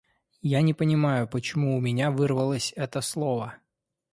Я не понимаю, почему у меня вырвалось это слово.